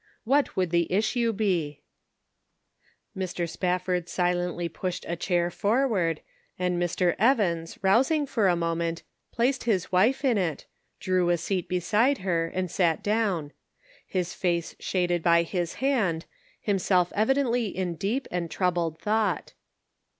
What would the issue be? Measuring Responsibility. 409 Mr. Spafford silently pushed a chair forward, and Mr. Evaus, rousing for a moment, placed his wife in it, drew a seat beside her and sat down; his face shaded by his hand, him self evidently in deep and troubled thought.